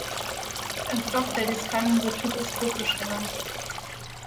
Ein Stoff, der dies kann, wird hygroskopisch genannt.